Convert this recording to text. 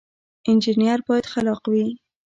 انجنیر باید خلاق وي